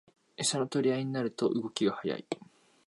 エサの取り合いになると動きが速い